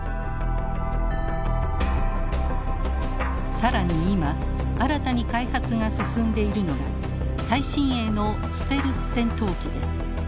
更に今新たに開発が進んでいるのが最新鋭のステルス戦闘機です。